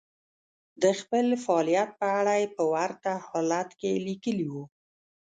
د خپل فعاليت په اړه يې په ورته حالت کې ليکلي وو.